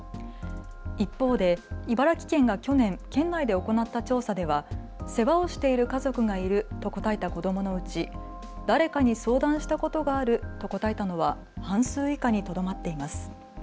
一方で茨城県が去年、県内で行った調査では世話をしている家族がいると答えた子どものうち誰かに相談したことがあると答えたのは半数以下にとどまっています。